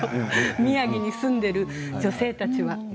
宮城に住んでいる女性たちは。